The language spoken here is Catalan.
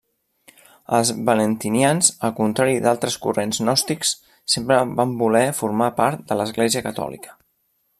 Els valentinians al contrari d'altres corrents gnòstics, sempre van voler formar part de l'Església catòlica.